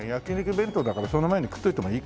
弁当だからその前に食っといてもいいか。